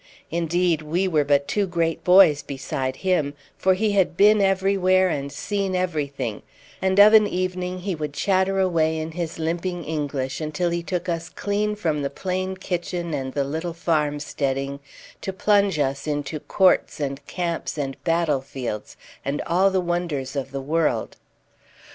Indeed, we were but two great boys beside him, for he had been everywhere and seen everything; and of an evening he would chatter away in his limping English until he took us clean from the plain kitchen and the little farm steading, to plunge us into courts and camps and battlefields and all the wonders of the world.